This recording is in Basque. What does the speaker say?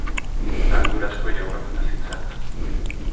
Andur asko jaunok hazitzat.